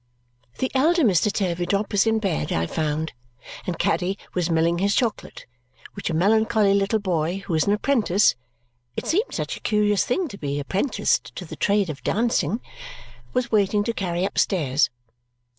The elder Mr. Turveydrop was in bed, I found, and Caddy was milling his chocolate, which a melancholy little boy who was an apprentice it seemed such a curious thing to be apprenticed to the trade of dancing was waiting to carry upstairs.